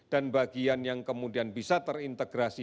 dan bagian yang kemudian bisa terindikasi